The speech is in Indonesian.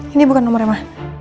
ini bukan nomornya ma